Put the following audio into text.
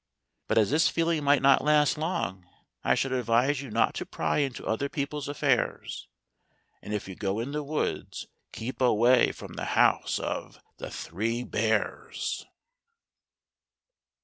But as this feeling might not last long, I should advise you not to pry into other people's affairs; and if you go in the woods keep away from the house of THE THREE BEARS.